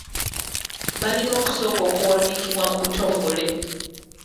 Balina kusooka kuwandiisibwa mu butongole.